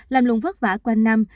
làm lùng vất vả qua năm